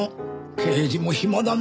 刑事も暇だな。